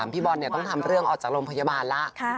พี่บอลต้องทำเรื่องออกจากโรงพยาบาลแล้ว